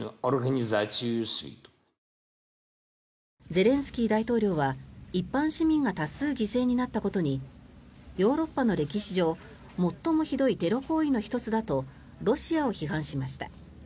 ゼレンスキー大統領は一般市民が多数犠牲になったことにヨーロッパの歴史上最もひどいテロ行為の１つだとロシアを批判しました。